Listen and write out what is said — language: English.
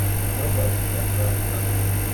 ‘Nobody,’ said the messenger.